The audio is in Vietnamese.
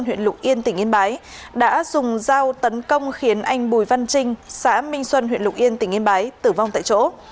huyện lục yên tỉnh yên bái đã dùng dao tấn công khiến anh bùi văn trinh xã minh xuân huyện lục yên tỉnh yên bái tử vong tại chỗ